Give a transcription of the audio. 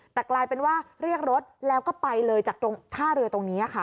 แต่กลายเป็นว่าเรียกรถแล้วก็ไปเลยจากตรงท่าเรือตรงนี้ค่ะ